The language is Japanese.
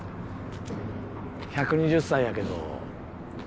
１２０歳やけどいい？